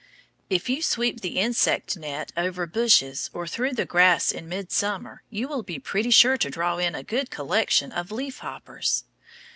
If you sweep the insect net over bushes or through the grass in midsummer, you will be pretty sure to draw in a good collection of leaf hoppers.